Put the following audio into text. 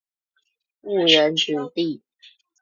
誤人子弟